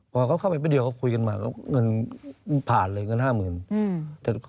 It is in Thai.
พอเขาเข้าไปไปเดียวเขาคุยกันมาเงินผ่านเลยเงินห้าหมื่นอืม